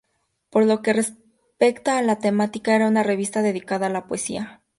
Por lo que respecta a la temática, era una revista dedicada a la poesía.